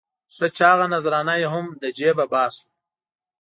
ښه چاغه نذرانه یې هم له جېبه باسو.